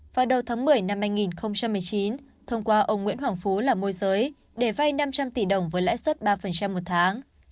vào đầu tháng một mươi năm hai nghìn một mươi chín thông qua ông nguyễn hoàng phú là môi giới để vay năm trăm linh tỷ đồng với lãi suất ba một tháng